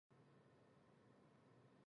久しぶり。元気だった？